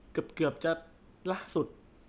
เกือบจะล่าสุด